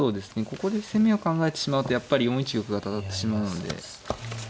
ここで攻めを考えてしまうとやっぱり４一玉がたたってしまうんで。